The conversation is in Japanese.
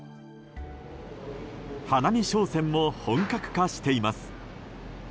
花見商戦も本格化しています。